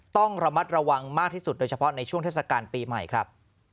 ต้องระมัดระวังมากที่สุดโดยเฉพาะในช่วงเทศกาลปีใหม่ครับ